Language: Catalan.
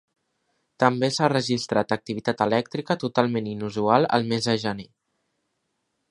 També s'ha registrat activitat elèctrica totalment inusual al mes de gener.